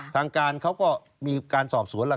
ทางการเขาก็มีการสอบสวนแล้ว